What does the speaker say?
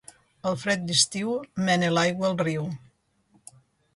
El fred d'estiu mena l'aigua al riu.